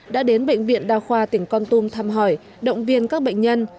đã đến bệnh viện đa khoa tỉnh con tum thăm hỏi động viên các bệnh nhân